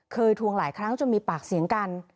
ทวงหลายครั้งจนมีปากเสียงกัน